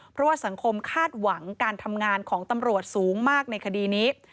เพราะว่าสังคมคาดหวังการทำงานของตำรวจสูงมากในคดีนี้